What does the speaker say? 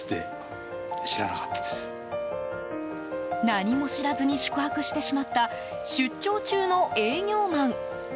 何も知らずに宿泊してしまった出張中の営業マン。